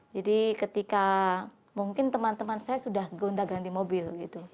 jadi ketika mungkin teman teman saya sudah ganda ganti mobil